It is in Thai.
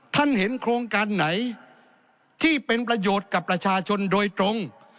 เห็นโครงการไหนที่เป็นประโยชน์กับประชาชนโดยตรง